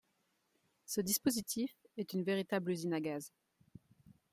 Ce dispositif est une véritable usine à gaz